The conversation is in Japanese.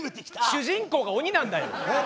主人公が鬼なんだよ！えっ？